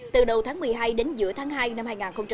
từ đầu tháng một mươi hai đến giữa tháng hai năm hai nghìn hai mươi